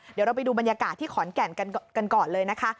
เดี๋ยวเราไปดูบรรยากาศที่ขอนแก่นกันก่อนเลยนะคะ